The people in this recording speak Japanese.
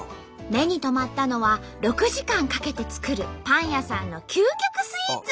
目に留まったのは６時間かけて作るパン屋さんの究極スイーツ。